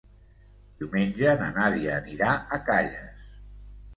Diumenge na Nàdia anirà a Calles.